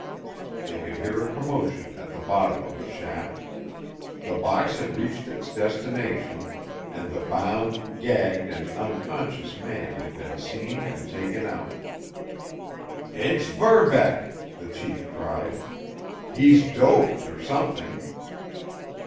They could hear a commotion at the bottom of the shaft. The box had reached its destination, and the bound, gagged, and unconscious man had been seen and taken out. "It's Verbeck!" the chief cried. "He's doped, or something!"